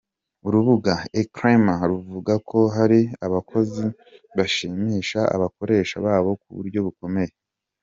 Urubuga Elcrema ruvuga ko hari abakozi bashimisha abakoresha babo ku buryo bukomeye.